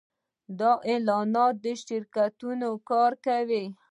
د اعلاناتو شرکتونه کار کوي